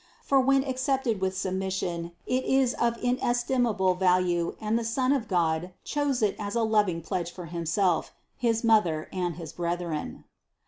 For when accepted with submission, it is of inestimable value and the Son of God chose it as a loving pledge for Himself, his Mother, and his brethren.